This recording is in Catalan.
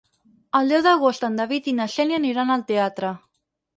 El deu d'agost en David i na Xènia aniran al teatre.